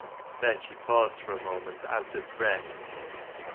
Then she paused for a moment, out of breath.